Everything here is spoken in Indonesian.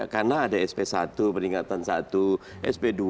karena ada sp satu peringkatan satu sp dua